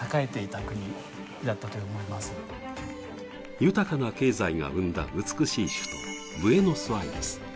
豊かな経済が生んだ美しい首都・ブエノスアイレス。